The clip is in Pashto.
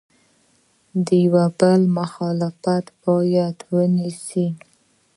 د یو بل مخالفت باید ونسي.